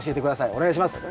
お願いします。